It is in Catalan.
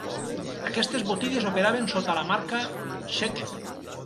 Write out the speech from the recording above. Aquestes botigues operaven sota la marca Checker.